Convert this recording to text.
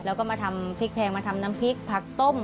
แล้วก็มาทำพริกแพงมาทำน้ำพริกผักต้ม